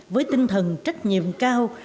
với tinh thần trách nhiệm cao